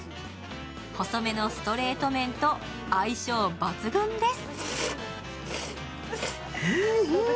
細めのストレート麺と相性抜群です。